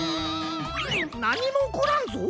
なにもおこらんぞ。